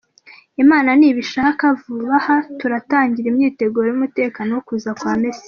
Imana nibishaka vubaha turatangira imyiteguro y’umutekano yo kuza kwa Messiah".